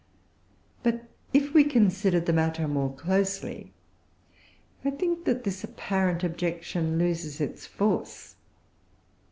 But if we consider the matter more closely, I think that this apparent objection loses its force.